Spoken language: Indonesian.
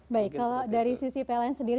baik kalau dari sisi pln sendiri